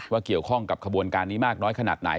เกี่ยวข้องกับขบวนการนี้มากน้อยขนาดไหน